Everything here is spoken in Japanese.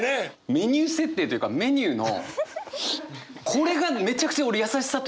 メニュー設定というかメニューのこれがめちゃくちゃ俺優しさというか。